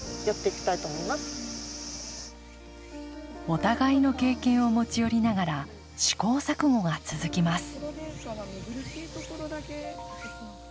お互いの経験を持ち寄りながら試行錯誤が続きます。